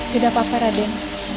tidak apa apa raden